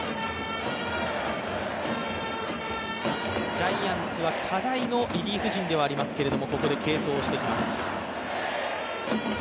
ジャイアンツは課題のリリーフ陣でありますけれどもここで継投してきます。